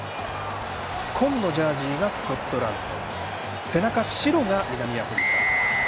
紺のジャージがスコットランド背中、白が南アフリカ。